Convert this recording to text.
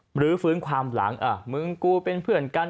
หรือฟื้นความหลังมึงกูเป็นเพื่อนกัน